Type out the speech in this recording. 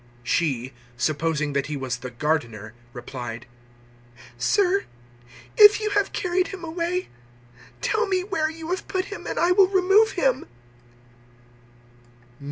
She, supposing that He was the gardener, replied, "Sir, if you have carried him away, tell me where you have put him and I will remove him."